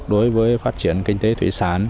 đối với phát triển kinh tế thủy sán